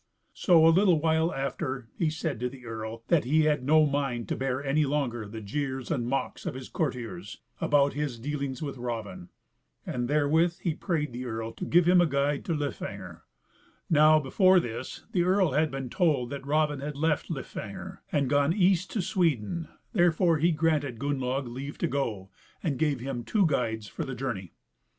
So a little while after he said to the earl that he had no mind to bear any longer the jeers and mocks of his courtiers about his dealings with Raven, and therewith he prayed the earl to give him a guide to Lifangr: now before this the earl had been told that Raven had left Lifangr and gone east to Sweden; therefore, he granted Gunnlaug leave to go, and gave him two guides for the journey.